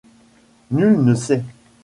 Nul ne sait.